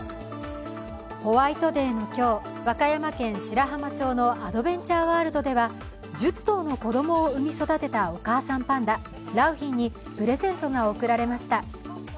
ホワイトデーの今日和歌山県白浜町のアドベンチャーワールドでは１０頭の子供を産み育てたお母さんパンダ、良浜にプレゼントが贈られました。